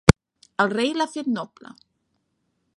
El rei l'ha fet noble.